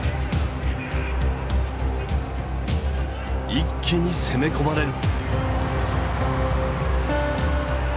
一気に攻め込まれる。